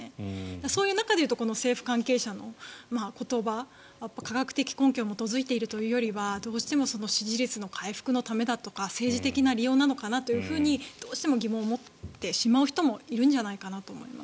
そういう中でいうと政府関係者の言葉は科学的根拠に基づいているというよりはどうしても支持率の回復のためだとか政治的な利用なのかなとどうしても疑問を持ってしまう人もいるんじゃないかなと思います。